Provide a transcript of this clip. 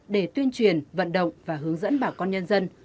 để tuyên truyền vận động và hướng dẫn bà con nhân dân